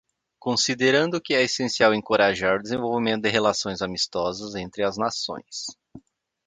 Considerando que é essencial encorajar o desenvolvimento de relações amistosas entre as nações;